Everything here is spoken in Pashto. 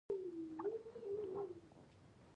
ایا زه باید په غور کې اوسم؟